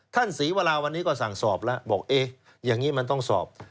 ศรีวราวันนี้ก็สั่งสอบแล้วบอกเอ๊ะอย่างนี้มันต้องสอบ